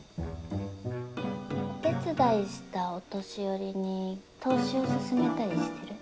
お手伝いしたお年寄りに投資をすすめたりしてる？